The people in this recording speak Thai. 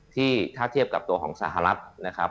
ที่ถ้าเทียบกับตัวของสหรัฐนะครับ